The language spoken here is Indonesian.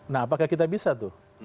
nah apakah kita bisa tuh